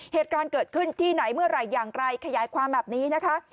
เหตุการณ์เกิดขึ้นที่ไหนเมื่อไหร่อย่างไรขยายความแบบนี้นะคะ